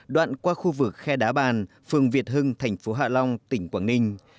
đoạn qua khu vực khe đá bàn phường việt hưng thành phố hạ long tỉnh quảng ninh